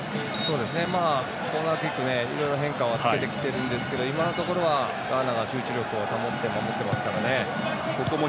コーナーキック、いろいろ変化はつけてきているんですけど今のところはガーナが集中力を保って守っていますからね。